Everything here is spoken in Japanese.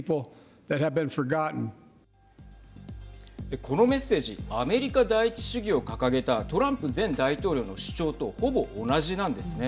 このメッセージアメリカ第１主義を掲げたトランプ前大統領の主張とほぼ同じなんですね。